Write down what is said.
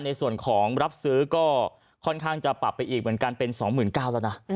ในส่วนของรับซื้อก็ค่อนข้างจะปรับไปอีกเหมือนกันเป็น๒๙๐๐แล้วนะ